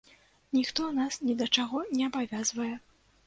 Ніхто нас ні да чаго не абавязвае.